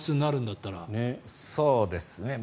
そうですね。